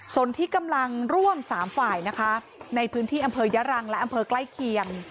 ส่วนที่กำลังร่วม๓ฝ่ายนะคะในพื้นที่อำเภอยะรังและอำเภอใกล้เคียง